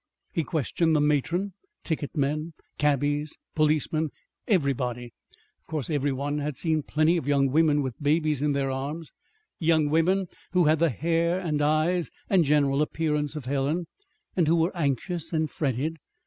He questioned the matron, ticket men, cabbies, policemen everybody. Of course every one had seen plenty of young women with babies in their arms young women who had the hair and eyes and general appearance of Helen, and who were anxious and fretted.